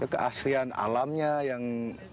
keaslian alamnya yang